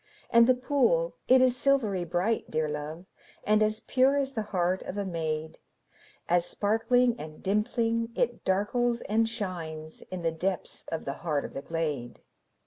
And the pool, it is silvery bright, dear love, And as pure as the heart of a maid, As sparkling and dimpling, it darkles and shines In the depths of the heart of the glade.